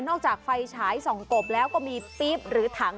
จากไฟฉายส่องกบแล้วก็มีปี๊บหรือถัง